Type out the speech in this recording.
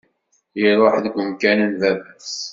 Iruḥ deg umkan n baba-s.